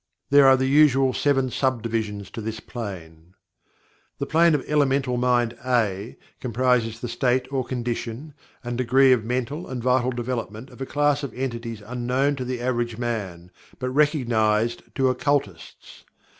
There are the usual seven sub divisions to this plane. The Plane of Elemental Mind (A) comprises the state or condition, and degree of mental and vital development of a class of entities unknown to the average man, but recognized to occultists.